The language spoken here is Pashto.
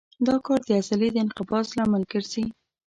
دا کار د عضلې د انقباض لامل ګرځي.